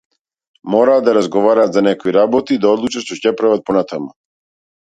Мораа да разговараат за некои работи, да одлучат што ќе прават понатаму.